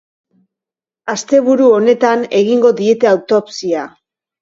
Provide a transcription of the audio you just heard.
Asteburu honetan egingo diete autopsia.